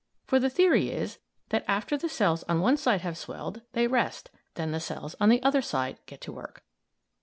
For the theory is that after the cells on one side have swelled, they rest; then the cells on the other side get to work.